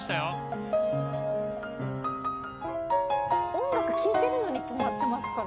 音楽聴いてるのに止まってますからね。